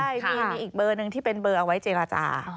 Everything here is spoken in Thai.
ใช่มีอีกเบอร์หนึ่งที่เป็นเบอร์เอาไว้เจรจา